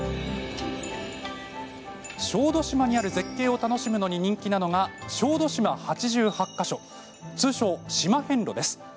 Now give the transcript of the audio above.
小豆島にある絶景を楽しむのに人気なのが、小豆島八十八か所通称、島遍路です。